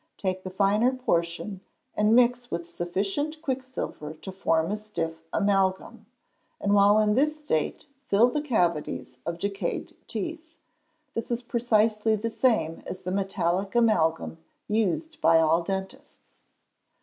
Take the finer portion, and mix with sufficient quicksilver to form a stiff amalgam, and while in this state fill the cavaties of decayed teeth. This is precisely the same as the metallic amalgam used by all dentists.